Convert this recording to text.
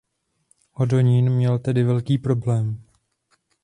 Hodonín měl tedy velký problém.